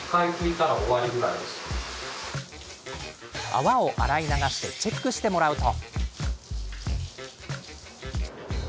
泡を洗い流してチェックしてもらうと。